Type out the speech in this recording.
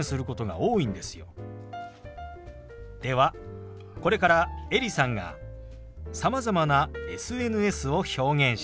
ではこれからエリさんがさまざまなＳＮＳを表現します。